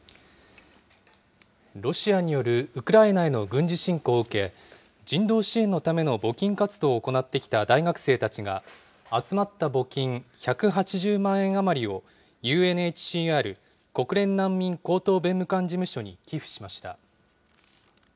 ロシアによるウクライナへの軍事侵攻を受け、人道支援のための募金活動を行ってきた大学生たちが、集まった募金１８０万円余りを、ＵＮＨＣＲ・国連難民高等弁務官事務所に寄付しました。